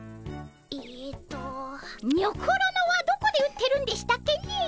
えっとにょころのはどこで売ってるんでしたっけねえ。